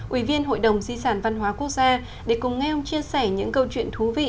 ủy viên hội đồng di sản văn hóa quốc gia để cùng nghe ông chia sẻ những câu chuyện thú vị